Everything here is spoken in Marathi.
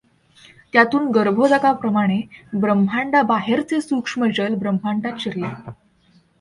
त्यातून गर्भोदकाप्रमाणे ब्रह्मांडाबाहेरचे सूक्ष्म जल ब्रह्मांडात शिरले.